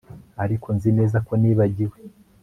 ariko nzi neza ko nibagiwe